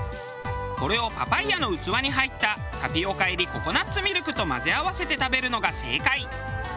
これをパパイアの器に入ったタピオカ入りココナッツミルクと混ぜ合わせて食べるのが正解。